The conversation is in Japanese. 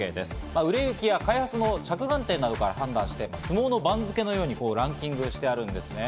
売れ行きや開発の着眼点などから判断して、相撲の番付のようにランキングしてあるんですね。